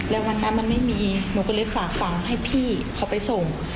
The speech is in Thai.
แล้ววันนั้นมันไม่มีหนูก็เลยฝากฝั่งให้พี่เขาไปส่ง